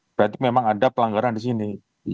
berarti memang ada pelanggaran disini